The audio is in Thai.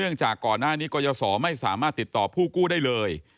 จากก่อนหน้านี้กรยศไม่สามารถติดต่อผู้กู้ได้เลย